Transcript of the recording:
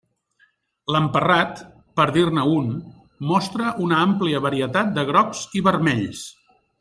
L'emparrat, per dir-ne un, mostra una àmplia varietat de grocs i vermells.